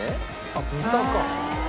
あっ豚か。